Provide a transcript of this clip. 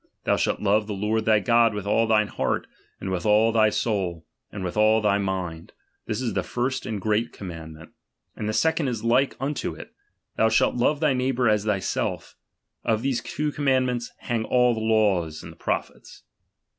Thou shalt love ^^he Lord thy God with all thine heart, and with ^F^ll thy sold, and with all thy mind ; this is the .^^j^rst and great commandment ; and the second is ■^ike unto it. Thou shalt love thy neighbour as ■thyself. On these two commartdments hang all ^he law and the prophets.